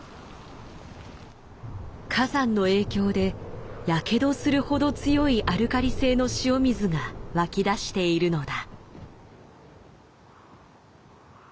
火山の影響でやけどするほど強いアルカリ性の塩水が湧き出しているのだ。